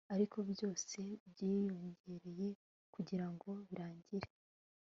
ariko byose byiyongereye kugirango birangire